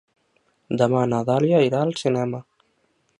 Demà na Dàlia irà al cinema.